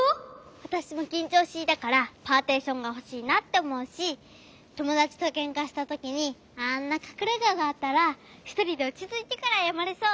わたしもきんちょうしいだからパーティションがほしいなっておもうしともだちとけんかしたときにあんなかくれががあったらひとりでおちついてからあやまれそう。